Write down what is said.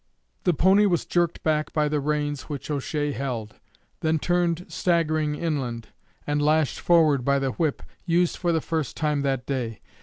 The pony was jerked back by the reins which O'Shea held, then turned staggering inland, and lashed forward by the whip, used for the first time that day.